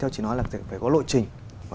theo chị nói là phải có lộ trình